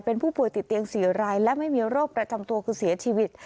เป็นผู้ป่วยติดเตียง๔รายและไม่มีโรคประจำตัวคือเสียชีวิต